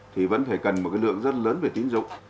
thì vẫn phải cần một cái lượng rất lớn về tín dụng